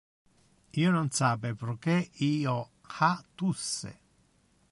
Io non sape proque io ha tusse.